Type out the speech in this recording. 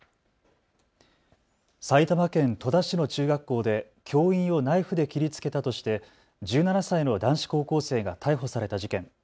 埼玉県戸田市の中学校で教員をナイフで切りつけたとして１７歳の男子高校生が逮捕された事件。